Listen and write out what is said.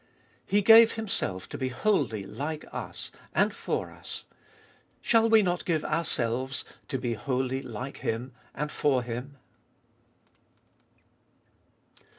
He gave Himself to be wholly like us and for us — shall we not give ourselves to be wholly like Him and for Him?